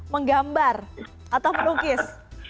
menggambar atau melukis